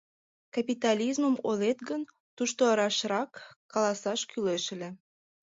Капитализмым ойлет гын, тушто рашрак каласаш кӱлеш ыле.